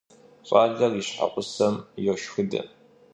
ЩӀалэр и щхьэгъусэм йошхыдэ.